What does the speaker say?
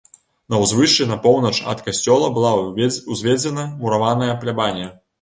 На ўзвышшы на поўнач ад касцёла была ўзведзена мураваная плябанія.